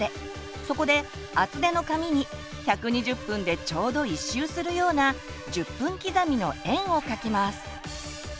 そこで厚手の紙に１２０分でちょうど１周するような１０分刻みの円を書きます。